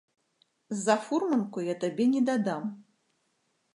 За фурманку я табе недадам.